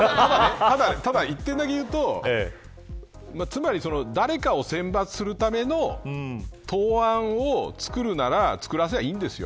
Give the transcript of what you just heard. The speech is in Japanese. ただ１点だけ言うと誰かを選抜するための答案を作るなら作らせればいいんです。